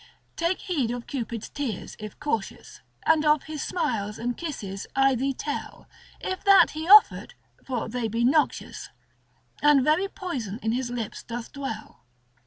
Take heed of Cupid's tears, if cautious. And of his smiles and kisses I thee tell, If that he offer't, for they be noxious, And very poison in his lips doth dwell.